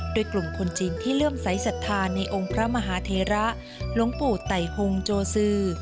กลุ่มคนจีนที่เลื่อมใสสัทธาในองค์พระมหาเทระหลวงปู่ไต่หงโจซือ